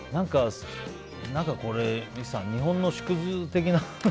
三木さん、日本の縮図的な。